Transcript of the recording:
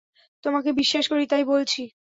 তোমাকে বিশ্বাস করি তাই বলছি।